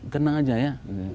kenang aja ya